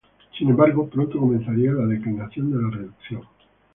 Sin embargo, pronto comenzaría la declinación de la reducción.